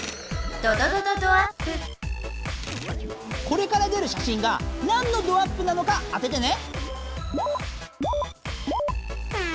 これから出る写真がなんのドアップなのか当ててね。